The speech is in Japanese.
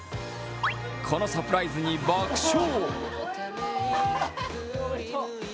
このサプライズに爆笑。